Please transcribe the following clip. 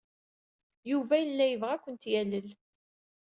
Yuba yella yebɣa ad kent-yalel.